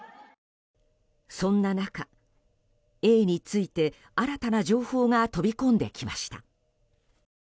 そんな中、Ａについて新たな情報が飛び込んできました。